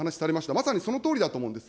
まさにそのとおりだと思うんです。